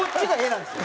なんですよ。